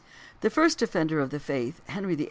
The first defender of the faith, Henry VIII.